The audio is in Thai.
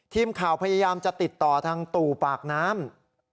ทีมข่าวพยายามจะติดต่อทางตู่ปากน้ำ